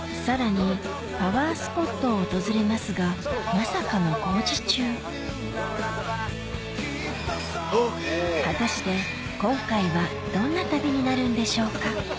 さらにパワースポットを訪れますが果たして今回はどんな旅になるんでしょうか？